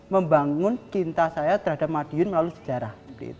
membangun cinta saya terhadap madiun melalui sejarah